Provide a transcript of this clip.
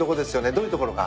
どういうところが？